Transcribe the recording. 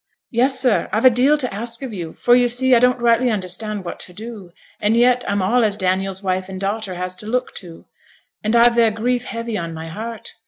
'Yes, sir. I've a deal to ask of you; for you see I don't rightly understand what to do; and yet I'm all as Daniel's wife and daughter has to look to; and I've their grief heavy on my heart.